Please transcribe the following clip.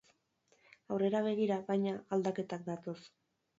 Aurrera begira, baina, aldaketak datoz.